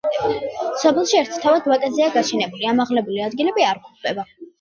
სოფელში ერთთავად ვაკეზეა გაშენებული, ამაღლებული ადგილები არ გვხვდება.